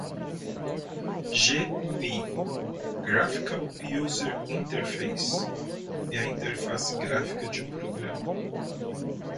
GUI (Graphical User Interface) é a interface gráfica de um programa.